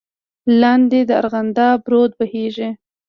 لاندې د ارغنداب رود بهېده.